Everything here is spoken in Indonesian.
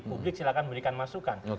publik silahkan memberikan masukan